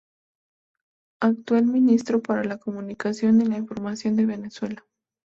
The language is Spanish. Actual Ministro para la Comunicación y la Información de Venezuela.